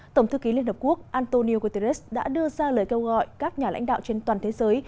tổng thư ký liên hợp quốc antonio guterres đã đưa ra lời kêu gọi các nhà lãnh đạo trên toàn thế giới